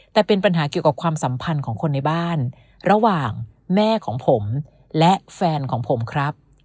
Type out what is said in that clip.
แต่เป็นปัญหาเกี่ยวกับความสัมพันธ์ของคนในบ้านระหว่างแม่ของผมและแฟนของผมครับ